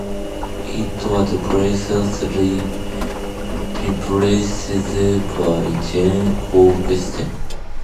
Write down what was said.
It was previously represented by Jean Augustine.